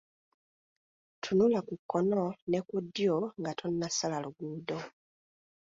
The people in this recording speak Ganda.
Tunula ku kkono ne ku ddyo nga tonnasala luguudo.